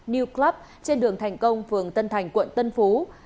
new club trên đường thành công phường tân thành tp hcm